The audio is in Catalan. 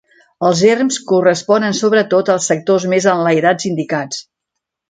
Els erms corresponen sobretot als sectors més enlairats indicats.